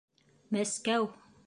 Мәскәү!